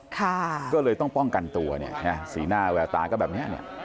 ก็เลยต้องป้องกันตัวสีหน้าแวกตาก็แบบนี้